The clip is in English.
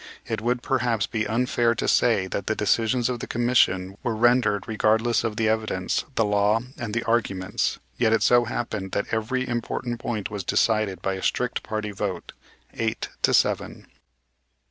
It would, perhaps, be unfair to say that the decisions of the commission were rendered regardless of the evidence, the law, and the arguments, yet it so happened that every important point was decided by a strict party vote, eight to seven.